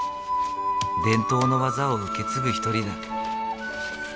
伝統の技を受け継ぐ一人だ。